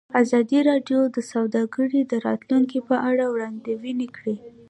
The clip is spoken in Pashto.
ازادي راډیو د سوداګري د راتلونکې په اړه وړاندوینې کړې.